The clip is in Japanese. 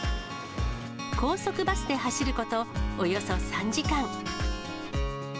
高速バスで走ることおよそ３時間。